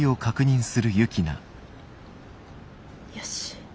よし。